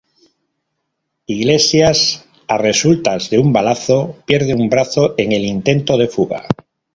Iglesias, a resultas de un balazo, pierde un brazo en el intento de fuga.